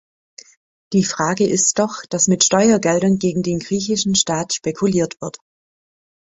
Die Frage ist doch, dass mit Steuergeldern gegen den griechischen Staat spekuliert wird.